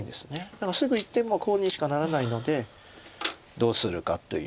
だからすぐいってもコウにしかならないのでどうするかという。